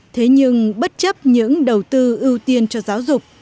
thế nhưng bất chấp những đầu tư ưu tiên cho giáo dục